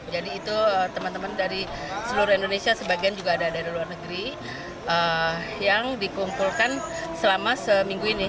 jadi itu teman teman dari seluruh indonesia sebagian juga ada dari luar negeri yang dikumpulkan selama seminggu ini